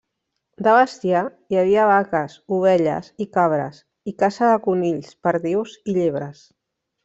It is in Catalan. De bestiar, hi havia vaques, ovelles i cabres, i caça de conills, perdius i llebres.